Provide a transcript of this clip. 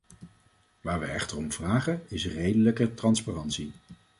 Waar we echter om vragen, is redelijke transparantie.